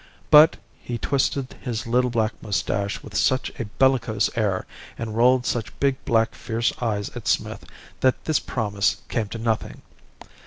But he twisted his little black moustache with such a bellicose air and rolled such big, black fierce eyes at Smith that this promise came to nothing.